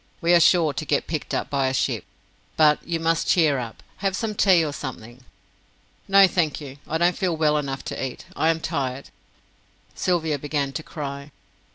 We are sure to get picked up by a ship. But you must cheer up. Have some tea or something." "No, thank you I don't feel well enough to eat. I am tired." Sylvia began to cry.